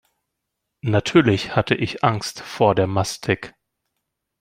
Natürlich hatte ich Angst vor der Mastek.